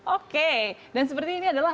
oke dan seperti ini adalah